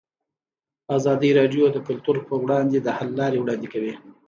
ازادي راډیو د کلتور پر وړاندې د حل لارې وړاندې کړي.